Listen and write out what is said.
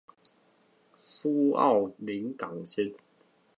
蘇澳臨港線